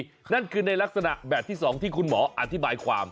นั่นคือในลักษณะแบบที่๒ที่คุณหมออธิบายความ